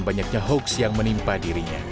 banyaknya hoax yang menimpa dirinya